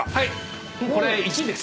これ１位です。